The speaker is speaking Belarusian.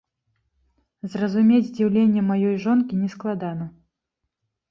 Зразумець здзіўленне маёй жонкі нескладана.